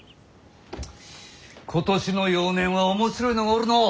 今年の幼年は面白いのがおるのう。